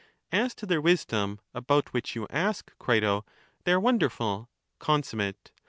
As to their wisdom, about which you ask, Crito, they are wonderful — consummate